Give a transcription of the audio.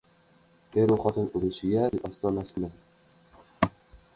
• Eru xotin urushiga uy ostonasi kular.